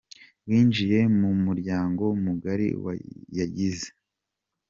winjiye mu muryango mugari wa Yagize.